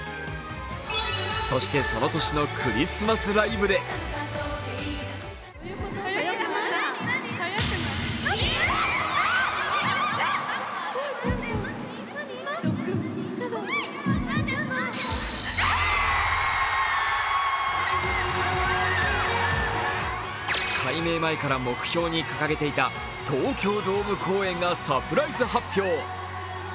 そしてその年のクリスマスライブで改名前から目標に掲げていた東京ドーム公演がサプライズ発表。